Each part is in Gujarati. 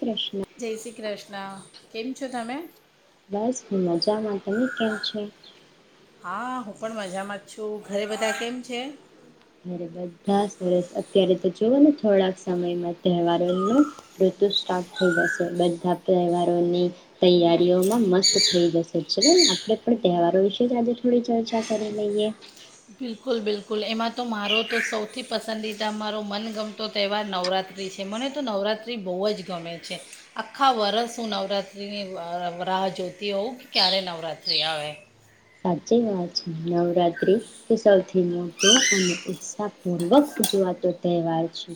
કૃષ્ણ જય શ્રી કૃષ્ણ. ના કેમ છો તમે? બસ મજામાં. તમે કેમ છો? હા હું પણ મજામાં જ છું. ઘરે બધા કેમ છે? ઘરે બધા સરસ અત્યારે તો જોવો ને થોડાક સમયમાં તહેવારોનું ઋતુ સ્ટાર્ટ થઈ જશે બધા તહેવારોની તૈયારીઓમાં મસ્ત થઈ જશે ચલો ને આપણે પણ તહેવારો વિશે જ આજે થોડી ચર્ચા કરી લઈએ બિલકુલ બિલકુલ એમાં તો મારો તો સૌથી પસંદીદા મારો મનગમતો તહેવાર નવરાત્રિ છે મને તો નવરાત્રિ બહુ જ ગમે છે આખા વરસ હું નવરાત્રિની વાહ રાહ જોતી હોઉં કે ક્યારે નવરાત્રિ આવે સાચી વાત છે નવરાત્રી તો સૌથી મોટો અને ઉત્સાહ પૂર્વક જોવાતો તહેવાર છે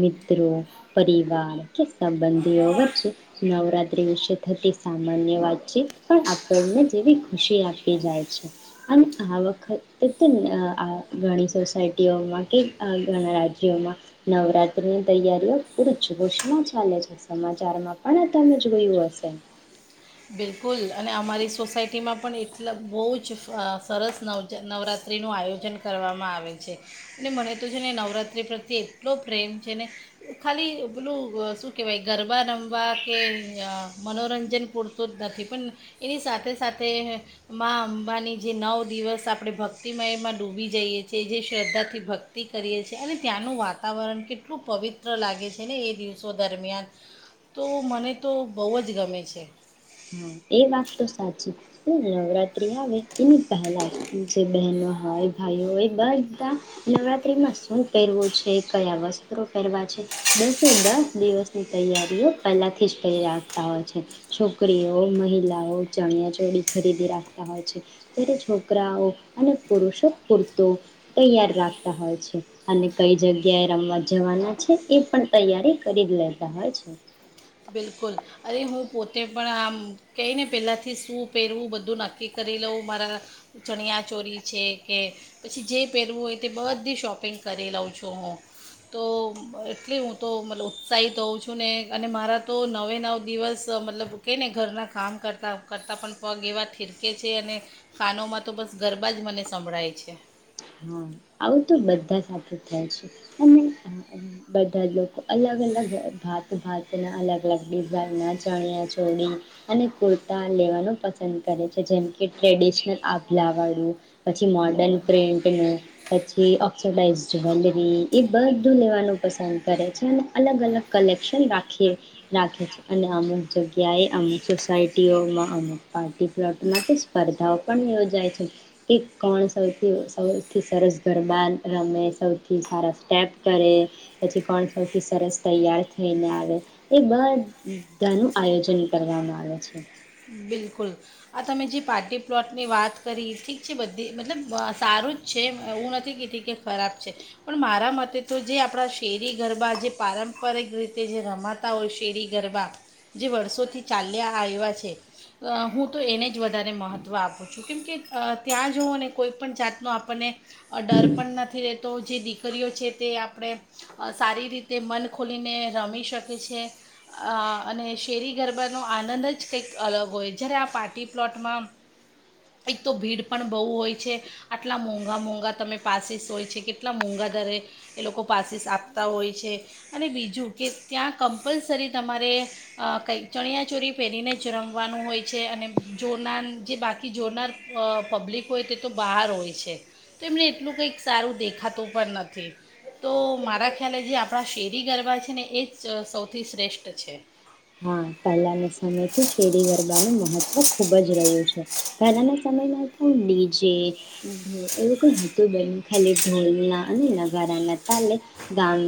મિત્રો પરિવાર કે સંબંધીઓ વચ્ચે નવરાત્રી વિશે થતી સામાન્ય વાતચીત પણ આપણને જેવી ખુશી આપ કે જાય છે અને આ વખતે તો ઘણી સોસાયટીઓમાં કે, ઘણા રાજ્યોમાં નવરાત્રીની તૈયારીઓ પૂર જોશમાં ચાલે છે. સમાચારમાં પણ આ તમે જોયું હશે. બિલકુલ અને અમારી સોસાયટીમાં પણ એટલા બો જ સરસ નવ નવરાત્રિનું આયોજન કરવામાં આવે છે અને મને તો છે ને નવરાત્રિ પ્રત્યે એટલો પ્રેમ છે, ને ખાલી પેલું શું કહેવાય ગરબા રમવા કે મનોરંજન પૂરતું તો જ નથી પણ એની સાથે સાથે મા અંબાની જે નવ દિવસ આપણે ભક્તિમયમાં ડૂબી જઈએ છીએ. જે શ્રદ્ધાથી ભક્તિ કરીએ છીએ અને ત્યાંનું વાતાવરણ કેટલું પવિત્ર લાગે છે ને એ દિવસો દરમિયાન તો મને તો બોવ જ ગમે છે. હા, એ વાત તો સાચી. શું નવરાત્રી આવે એની પહેલાં જ જે બહેનો હોય, ભાઈઓ હોય બધા નવરાત્રીમાં શું પહેરવું છે, કયા વસ્ત્રો પહેરવા છે. દસે દસ દિવસની તૈયારીઓ પહેલા થી જ કરી રાખતા હોય છે. છોકરીઓ કોય મહિલાઓ ચણિયા ચોળી ખરીદી રાખતા હોય છે, ત્યારે છોકરાઓ અને પુરુષો પૂરતો તૈયાર રાખતા હોય છે અને કઈ જગ્યાએ રમવા જવાના છે, એ પણ તૈયારી કરી જ લેતા હોય છે. બિલકુલ, અરે હું પોતે પણ આમ કેયને પેલા થી શું પહેરવું બધું નક્કી કરી લઉં. મારા ચણિયા ચોરી છે, કે પછી જે પહેરવું હોય તે બધી શોપિંગ કરી લઉં છું. હું તો એટલી હું તો મ ઉત્સાહિત હોઉં છું ને અને મારા તો નવે નવ દિવસ મતલબ કેય ને ઘરના કામ કરતા કરતાં પણ પગ એવા થિરકે છે અને કાનોમાં તો બસ ગરબા જ મને સંભળાય છે. હા આવું તો બધા સાથે થાય છે અને બધા જ લોકો અલગ-અલગ, ભાત ભાતના, અલગ-અલગ ડિઝાઇન ના ચણિયા ચોડી અને કુર્તા લેવાનું પસંદ કરે છે, જેમકે ટ્રેડિશનલ આભલા વાળું પછી મોર્ડન પ્રિન્ટનું. પછી ઓક્સોડાઇઝ જ્વેલરી એ બધું લેવાનું પસંદ કરે છે અને અલગ-અલગ કલેક્શન રાખીએ રાખે છે અને અમુક જગ્યાએ અમુક સોસાયટીઓમાં, અમુક પાર્ટી પ્લોટમાં તો સ્પર્ધાઓ પણ યોજાય છે કે કોણ સૌથી સૌથી સરસ ગરબા રમે, સૌથી સારા સ્ટેપ કરે પછી કોણ સૌથી સરસ તૈયાર થઈને આવે એ બધાનું આયોજન કરવામાં આવે છે. બિલકુલ, આ તમે જે પાર્ટી પ્લોટની વાત કરી ઠીક છે, બધી મતલબ સારું જ છે એવું નથી કેતી કે ખરાબ છે પણ મારા મતે તો જે આપણા શેરી ગરબા, જે પારંપરિક રીતે જે રમાતા હોય, શેરી ગરબા જે વર્ષોથી ચાલ્યા આયવા છે. હું તો એને જ વધારે મહત્ત્વ આપું છું કેમકે ત્યાં જઉં અને કોઈ પણ જાતનો આપણને ડર પણ નથી રહેતો. જે દીકરીઓ છે તે આપણે સારી રીતે મન ખોલીને રમી શકી છે અને અ શેરી ગરબાનો આનંદ જ કંઈક અલગ હોય. જ્યારે આ પાર્ટી પ્લોટમાં એક તો ભીડ પણ બહુ હોય છે. આટલા મોંઘા મોંઘા તમે પાસીસ હોય છે. કેટલા મોંઘા દરે એ લોકો પાસીસ આપતા હોય છે અને બીજું કે ત્યાં કમ્પલસરી તમારે કંઈ ચણિયા ચોરી પહેરીને જ રમવાનું હોય. છે અને જોનાર, જે બાકી જોનાર પબ્લિક હોય તે તો બહાર હોય છે, તો એમને એટલું કંઈક સારું દેખાતું પણ નથી. તો મારા ખ્યાલે જે આપણા શેરી ગરબા છે ને એ જ સૌથી શ્રેષ્ઠ છે. હા, પહેલાના સમય થી શેરી ગર ગરબાનું મહત્વ ખુ ખૂબ જ રહ્યું છે. પહેલાના સમયમાં તો ડીજે એવું કઈ હતું, બન ખાલી ઢોલના અને નગારા ના તાલે ગામ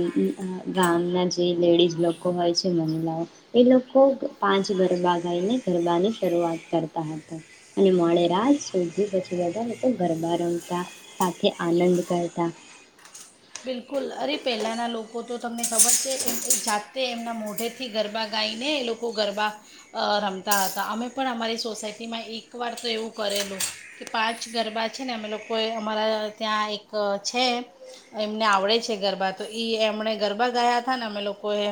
ગામના જે લેડીઝ લોકો હોય છે, મહિલાઓ એ લોકો પાંચ ગરબા ગાઈને ગરબાની શરૂઆત કરતા હતા અને મોડે રાત સુધી પછી બધા લોકો ગરબા રમતા સાથે આનંદ કરતા. બિલકુલ, અરે પહેલાંના લોકો તો તમને ખબર છે એમ જાતે એમના મોઢેથી ગરબા ગાઈને એ લોકો ગરબા અ રમતા હતા. અમે પણ અમારી સોસાયટીમાં એક વાર તો એવું કરેલું કે પાંચ ગરબા છે ને અમે લોકોએ અમારા ત્યાં એક છે એમને આવડે છે. ગરબા તો ઈ એમણે ગરબા ગાયતા ને અમે લોકોએ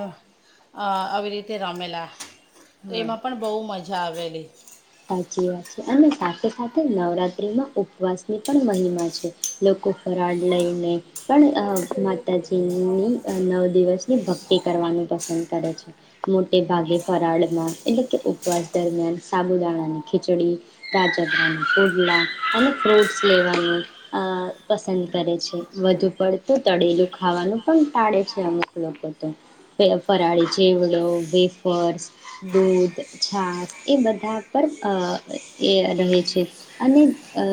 અ આવી રીતે રમેલા તો હા એમાં પણ બો મજા આવેલી. સાચી વાત છે અને સાથે સાથે નવરાત્રીમાં ઉપવાસની પણ મહિમા છે. લોકો ફરાળ લઈને પણ અ માતાજીની નવ દિવસની ભક્તિ કરવાનું પસંદ કરે છે. મોટે ભાગે ફરાળમાં એટલે કે ઉપવાસ દરમિયાન સાબુદાણા અને ખીચડી, રાજગરા ના ફોડલા અને ફ્રૂટ્સ લેવાનું અ પસંદ કરે છે. વધુ પડતું તળેલું ખાવાનું પણ ટાળે છે. અમુક લોકો તો ફરાળી ચેવડો, વેફર્સ, દૂધ, છાસ એ બધા પર એ રહે છે અને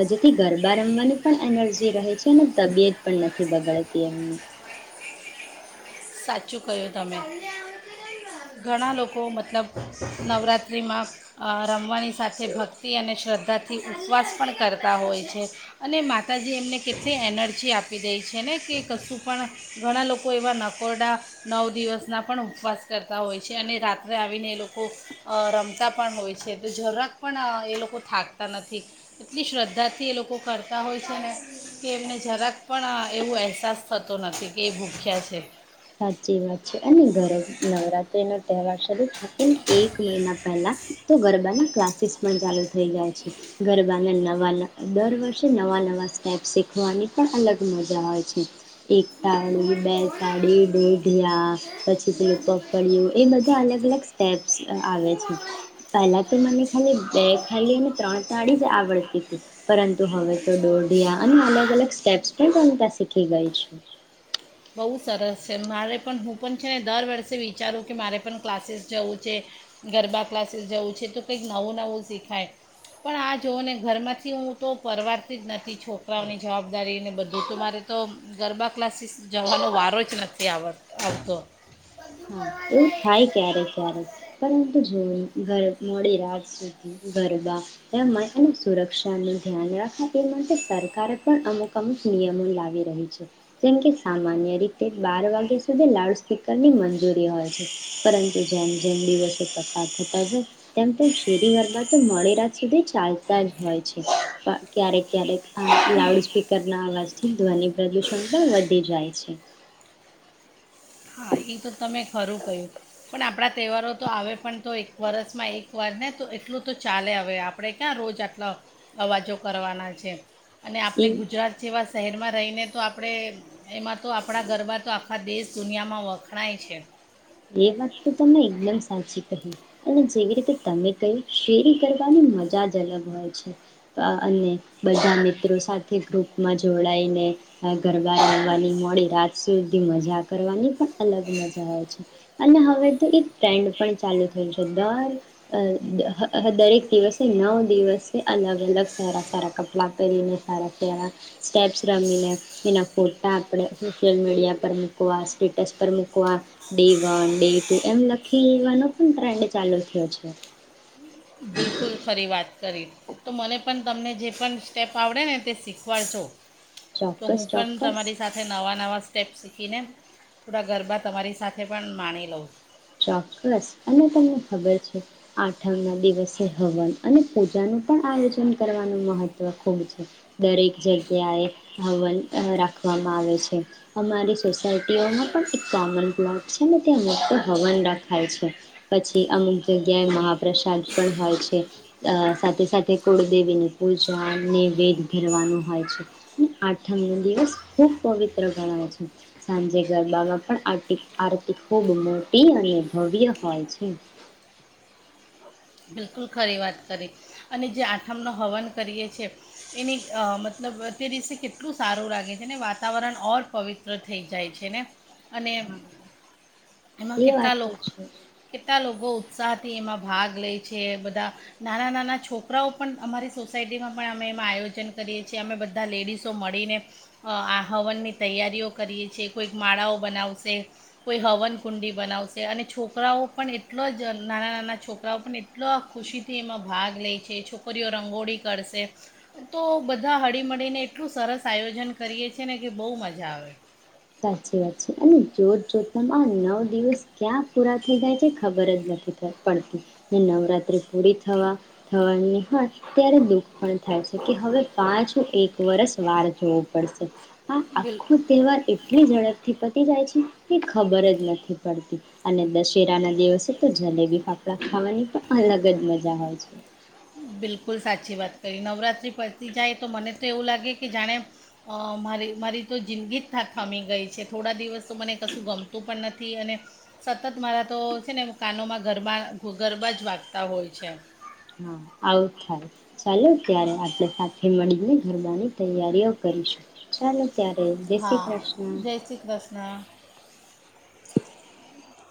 જેથી ગરબા રમવાની પણ એનર્જી રહે છે અને તબિયત પણ નથી બગાડતી એમની. સાચું કહ્યું તમે ઘણા લોકો મતલબ નવરાત્રિમાં અ રમવાની સાથે ભક્તિ અને શ્રદ્ધાથી ઉપવાસ પણ કરતા હોય છે અને માતાજી એમને કેટલી એનર્જી આપી દે છે ને કે, કશું પણ ઘણા લોકો એવા ન નકોરડા નવ દિવસના પણ ઉપવાસ કરતા હોય છે અને રાત્રે આવીને એ લોકો અ રમતા પણ હોય છે, તો જરાક પણ એ લોકો થાકતા નથી એટલી શ્રદ્ધાથી એ લોકો કરતા હોય છે ને કે એમને જરાક પણ એવો અહેસાસ થતો નથી કે એ ભૂખ્યા છે. સાચી વાત છે અને ગર નવરાત્રીનો તહેવાર શરૂ થાય એમ, એક મહિના પહેલા તો ગરબાના ક્લાસીસ પણ ચાલુ થઈ જાય છે. ગરબાને નવા દર વર્ષે નવા નવા સ્ટેપ શીખવાની પણ અલગ મજા આવે છે, એક ઘુમટ તાળી, ઘુમટ બે કોણ તાળી આવવાનું હે? દોઢિયા પછી, પેલું ઘુમટ ઘુમટ કોણ પપળિયું એ આવવાનું? બધા અલગ-અલગ સ્ટેપ્સ આવે હું છે. આવવાની પહેલા તો મને ઈચ્છા છે. ખાલી બે ખાલી અને ત્રણ તાળી જ આવડતી હતી, પરંતુ હવે તો દોઢિયા અને અલગ-અલગ સ્ટેપ્સ પણ રમતા શીખી ગઈ છું. બહુ સરસ છે. મારે પણ હું પણ છે ને દર વર્ષે વિચારું કે, મારે પણ ક્લાસીસ જવું છે. ગરબા ક્લાસીસ જવું છે, તો કંઈક નવું નવું શીખાય પણ આ જોવને ઘરમાંથી હું તો પરવારતી જ નથી. છોકરાઓની જવાબદારીને બધું તો મારે તો ગરબા ક્લાસીસ જવાનું નો વારો જ નથી આવ આવતો હા એવું થાય, ક્યારેક ક્યારેક, પરંતુ જોવોને ગર મોડી રાત સુધી ગરબા [unintelligible] અને સુરક્ષાનું ધ્યાન રાખવા તે માટે સરકારે પણ અમુક અમુક નિયમો લાવી રહી છે, જેમકે સામાન્ય રીતે બાર વાગ્યા સુધી લાઉડ સ્પીકરની મંજૂરી હોય છે. પરંતુ જેમ જેમ દિવસો પસાર થતા છે, તેમ તેમ શેરી ઘરમાં તો મોડી રાત સુધી ચાલતા જ હોય છે પણ ક્યારેક ક્યારેક આ લાઉડ સ્પીકર ના અવાજથી ધ્વનિ પ્રદુષણ પણ વધી જાય છે. હા, એ તો તમે ખરું કહ્યું પણ આપણા તહેવારો તો આવે પણ તો એક વરસમાં એકવાર ને તો એટલું તો ચાલે હવે, આપણે ક્યાં રોજ આટલા અવાજો કરવાના છે. અને આપણે એ ગુજરાત જેવા શહેરમાં રહીને તો આપણે, એમાં તો આપણા ગરબા તો આખા દેશ, દુનિયામાં વ વખણાય છે. એ વાત તો તમે એકદમ સાચી કહી અને જેવી રીતે તમે કહ્યું, શેરી ગરબા ની મજા જ અલગ હોય છે અને બધા મિત્રો સાથે ગ્રુપમાં જોડાઈને, આ ગરબા રમવાની મોડી રાત સુધી મજા કરવાની પણ અલગ મજા હોય છે. અને હવે તો એક ટ્રેન્ડ પણ ચાલુ થયું છે. દર દરેક દિવસે નવ દિવસે અલગ અલગ, સારા સારા કપડા પહેરીને, સારા સારા સ્ટેપ્સ રમીને એના ફોટા આપણે સોશિયલ મીડિયા પર મૂકવા સ્ટેટસ પર મૂકવા ડે વન, ડે ટુ એમ લખી લેવાનો પણ ટ્રેન્ડ ચાલુ થયો છે. બિલકુલ, ખરી વાત. કરી, તો મને પણ તમને જે પણ સ્ટેપ આવડે ને તે શીખવાડજો. તો ચોક્કસ હું પણ ચોક્કસ તમારી સાથે નવા નવા સ્ટેપસ શીખ [unintelligible] ને થોડા ગરબા તમારી સાથે પણ માણી લઉં. ચોક્કસ અને તમને ખબર છે, આઠમ ના દિવસે હવન અને પૂજાનું પણ આયોજન કરવાનું મહત્વ ખૂબ છે. દરેક જગ્યાએ હવન રાખવામાં આવે છે. અમારી સોસાયટીઓમાં પણ એક કોમન પ્લોટ છે, ને ત્યાં હવન રખાય છે, પછી અમુક જગ્યાએ મહાપ્રસાદ પણ હોય છે, સાથે સાથે કુળદેવીની પૂજા અને વેદ ધરવાનું હોય છે. આઠમનો દિવસ ખૂબ પવિત્ર ગણાય છે સાંજે ગરબામાં પણ અરતી આરતી ખૂબ મોટી મોટી અને ભવ્ય હોય છે. બિલકુલ ખરી વાત કરી અને જે આઠમનો હવન કરીએ છે, એની મતલબ તે દિવસે કેટલું સારું લાગે છે ને વાતાવરણ ઔર પવિત્ર થઈ જાય છે ને. અને એમાં એ વાત કેટલા તો લોક છે. કેટલા લોકો સાથી એમાં ભાગ લેય છે. બધા નાના નાના છોકરાઓ પણ અમારી સોસાયટીમાં પણ અમે એમાં આયોજન કરીએ છીએ. અમે બધા લેડીસો મળીને આ હવનની તૈયારીઓ કરીએ છીએ કોઈક માળાઓ બનાવશે, કોઈ હવન કુંડી બનાવશે અને છોકરાઓ પણ એટલો જ નાના નાના છોકરાઓ પણ એટલો જ એટલો ખુશીથી એમાં ભાગ લે છે. છોકરીઓ રંગોળી કરશે, તો બધા હળીમળીને એટલું સરસ આયોજન કરીએ છે ને કે બો મજા આવે. સાચી વાત છે અને જોત જોતમાં આ નવ દિવસ ક્યાં પૂરા થઈ જાય છે ખબર જ નથી પડતી. ને નવરાત્ર્રી પૂરી થવા થવાની હોય ત્યારે દુઃખ પણ થાય છે કે હવે પાછું એક વરષ વાળ જોવું પડશે. હા બિલ આખો તહેવાર એ ને ઝડપથી પતી જાય છે એ ખબર જ નથી પડતી અને દશ દશેરા ના દિવસે તો જલેબી ફાફડા ખાવાની પણ અલગ જ મજા હોય. છે. બિલક બિલકુલ સાચી વાત કરી. નવરાત્રી પતી જાય તો મને તો એવું લાગે કે જાણે મારી મારી તો જિંદગી જ તા થમી ગઈ છે. થોડા દિવસ તો મને કશું ગમતું પણ નથી અને સતત મારા તો છે ને કાનોમાં ગરબા ગરબા જ વાગતા હોય છે. હા, આવું થાય. ચાલો, ત્યારે આપણે સાથે મળીને ગરબાની તૈયારીઓ કરીશું ચાલો. ત્યારે જય શ્રી હા, કૃષ્ણ જય શ્રી કૃષ્ણ.